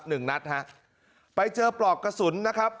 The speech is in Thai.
หนึ่งนัดฮะไปเจอปลอกกระสุนนะครับ